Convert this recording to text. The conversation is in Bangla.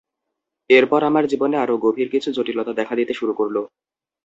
এরপর আমার জীবনে আরও গভীর কিছু জটিলতা দেখা দিতে শুরু করল।